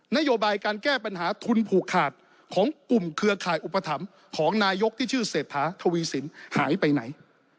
นโยบายการแก้ปัญหาทุนผูกขาดของกลุ่มเครือข่ายอุปถัมภ์ของนายกที่ชื่อเศรษฐาทวีสินหายไปไหน